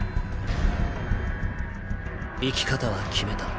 生き方は決めた。